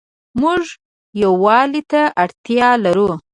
موږ يووالي ته اړتيا لرو